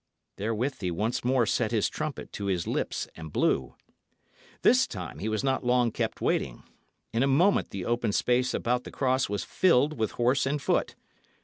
Therewith he once more set his trumpet to his lips and blew. This time he was not long kept waiting. In a moment the open space about the cross was filled with horse and foot.